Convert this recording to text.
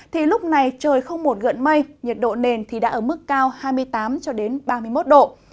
thì lúc này trời không một gợn mây nhiệt độ nền đã ở mức cao hai mươi tám ba mươi một độ